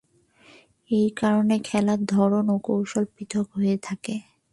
এ কারণে খেলার ধরন ও কৌশল পৃথক হয়ে থাকে।